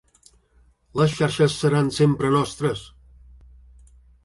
Les xarxes seran sempre nostres!